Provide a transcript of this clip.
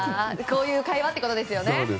こういう会話ってことですよね。